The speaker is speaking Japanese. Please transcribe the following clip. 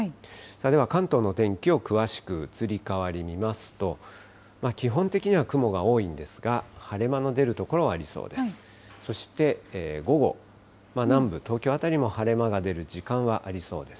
では関東の天気を詳しく、移り変わり見ますと、基本的には雲が多いんですが、晴れ間の出る所はありそうです。